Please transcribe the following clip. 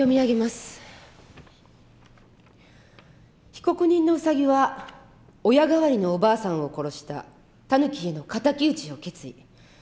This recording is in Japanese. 「被告人のウサギは親代わりのおばあさんを殺したタヌキへの敵討ちを決意。